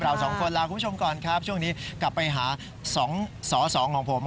สองคนลาคุณผู้ชมก่อนครับช่วงนี้กลับไปหา๒สอสองของผม